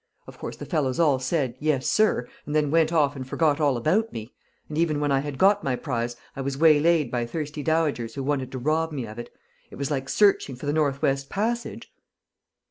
Of course the fellows all said, 'Yes, sir;' and then went off and forgot all about me. And even when I had got my prize, I was waylaid by thirsty dowagers who wanted to rob me of it. It was like searching for the North west Passage."